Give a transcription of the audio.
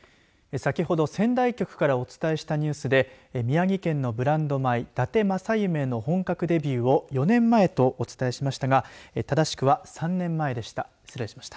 先ほど仙台局からお伝えしたニュースで宮城県のブランド米だて正夢の本格デビューを４年前とお伝えしましたがただしくは３年前でした。